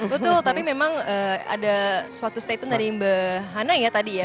betul tapi memang ada suatu statement dari mbak hana ya tadi ya